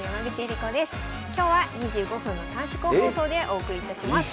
今日は２５分の短縮放送でお送りいたします。